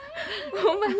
ほんまに？